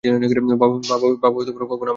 বাবা কখনও আমার দিকে তাকাত না।